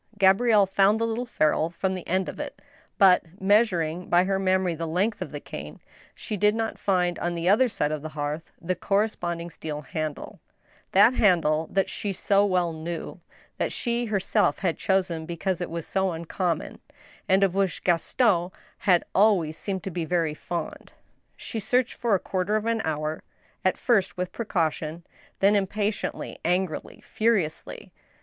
Gabrielle found the little ferule from the end of it, but, measuring by her memory the length of the cane, she did not find, on the other side of the hearth, the corresponding steel handle — that handle that she so well knew ; that she herself had chosen because it was so uncom mon, and of which Gaston had always seemed to be very fond. She searched for a quarter of an hour, at first with precaution, then impatiently, angrily, furiously.